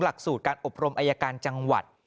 หลักสูตรการอบรมอายการจังหวัด